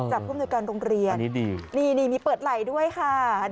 ผู้มนุยการโรงเรียนนี่มีเปิดไหล่ด้วยค่ะ